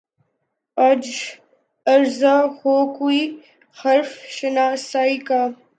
آج ارزاں ہو کوئی حرف شناسائی کا